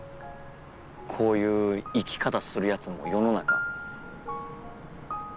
こういう生き方する奴も世の中。